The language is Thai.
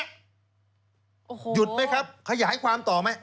หยุดไหมครับขยายความต่อไหม